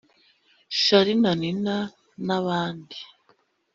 Charly &Nina n’abandi